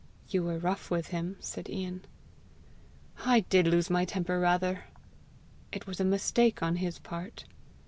"You were rough with him!" said Ian. "I did lose my temper rather." "It was a mistake on his part."